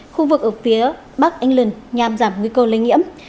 khu vực ở phía bắc england nhằm giảm nguy cơ lây nhiễm